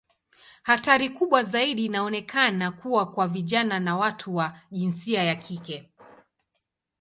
Hatari kubwa zaidi inaonekana kuwa kwa vijana na watu wa jinsia ya kike.